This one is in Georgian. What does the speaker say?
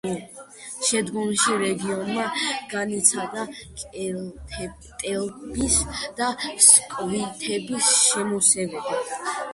შემდგომში რეგიონმა განიცადა კელტების და სკვითების შემოსევები.